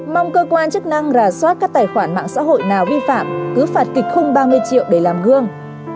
mong cơ quan chức năng rà soát các tài khoản mạng xã hội nào vi phạm cứ phạt kịch khung ba mươi triệu để làm gương